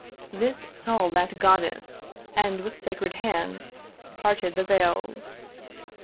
This saw that Goddess, and with sacred hand Parted the veils.